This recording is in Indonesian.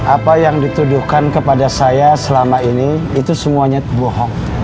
apa yang dituduhkan kepada saya selama ini itu semuanya bohong